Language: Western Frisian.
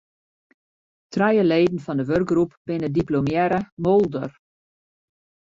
Trije leden fan de wurkgroep binne diplomearre moolder.